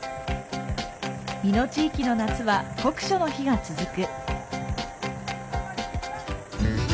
美濃地域の夏は酷暑の日が続く。